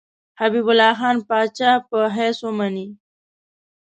حبیب الله خان پاچا په حیث ومني.